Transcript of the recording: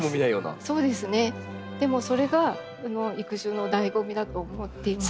でもそれがこの育種のだいご味だと思っています。